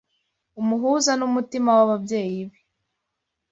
umuhuza n’umutima w’ababyeyi be